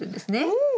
うん！